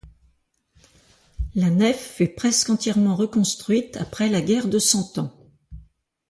La nef fut presque entièrement reconstruite après la Guerre de Cent Ans.